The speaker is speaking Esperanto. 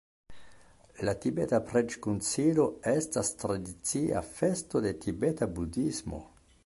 La tibeta preĝ-kunsido estas tradicia festo de tibeta budhismo.